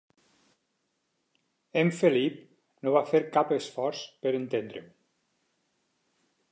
En Felip no va fer cap esforç per entendre-ho.